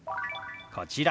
こちら。